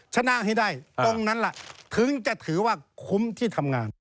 ชนะให้ได้ตรงนั้นล่ะถึงจะถือว่าคุ้มที่ทำงาน